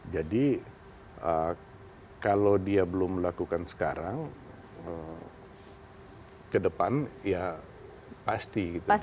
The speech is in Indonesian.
jadi kalau dia belum melakukan sekarang ke depan ya pasti